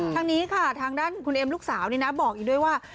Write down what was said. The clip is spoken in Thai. ทางนี้ค่ะทางด้านคุณเอ็มลูกสาวนี่นะบอกอีกด้วยว่า